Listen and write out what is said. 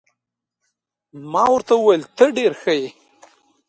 ما ورته وویل: ته ډېر ښه يې.